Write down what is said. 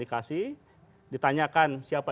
dikasih ditanyakan siapa